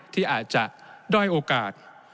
ที่อาจจะด้อยโอกาส